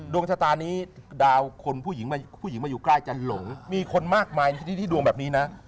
ดวงชะตานี้ดาวคนผู้หญิงมาอยู่ใกล้จะหลงมีคนมากมายที่ดวงแบบนี้นะ